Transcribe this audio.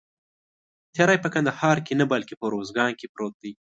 تیری په کندهار کې نه بلکې په اوروزګان کې پروت دی.